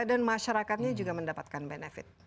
dan masyarakatnya juga mendapatkan benefit